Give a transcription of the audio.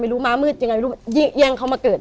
ไม่รู้มามืดยังไงแย่งเขามาเกิด